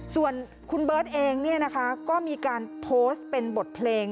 ส่วนคุณเบิร์ตเองก็มีการโพสต์เป็นบทเพลง